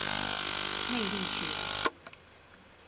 魅力學